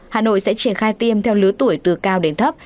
hà nội sẽ triển khai tiêm theo lứa tuổi từ cao đến thấp